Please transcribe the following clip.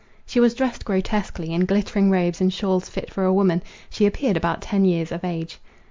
She was dressed grotesquely, in glittering robes and shawls fit for a woman; she appeared about ten years of age.